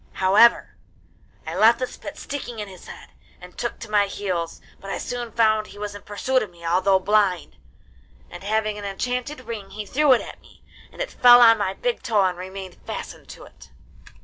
'However, I left the spit sticking in his head, and took to my heels; but I soon found he was in pursuit of me, although blind; and having an enchanted ring he threw it at me, and it fell on my big toe and remained fastened to it.